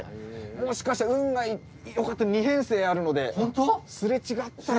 もしかしたら運がよかったら２編成あるのですれ違ったり。